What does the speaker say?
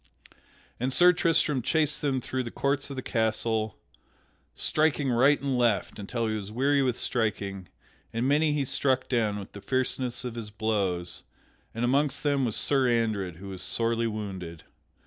And Sir Tristram chased them through the courts of the castle, striking right and left until he was weary with striking, and many he struck down with the fierceness of his blows, and amongst them was Sir Andred who was sorely wounded.